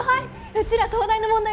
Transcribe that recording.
うちら東大の問題